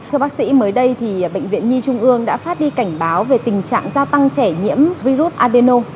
thưa bác sĩ mới đây thì bệnh viện nhi trung ương đã phát đi cảnh báo về tình trạng gia tăng trẻ nhiễm virus adeno